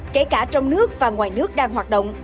kể cả trong nước và ngoài nước đang hoạt động